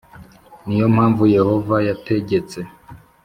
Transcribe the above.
Ni yo mpamvu Yehova yategetse